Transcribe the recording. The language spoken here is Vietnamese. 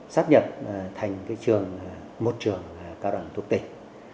sát nhập thành một trường cao đẳng thuộc tỉnh